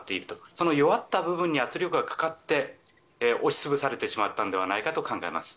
その弱った部分に圧力がかかって押し潰されてしまったんではないかと考えます。